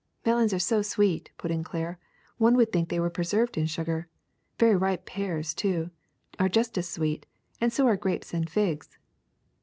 '^Melons are so sweet," put in Claire, "one would think they were preserved in sugar. Very ripe pears, too, are just as sweet; and so are grapes and figs."